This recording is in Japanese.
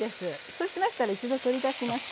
そうしましたら一度取り出します。